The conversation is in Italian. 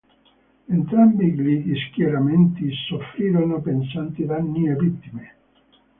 Entrambi gli schieramenti soffrirono pesanti danni e vittime.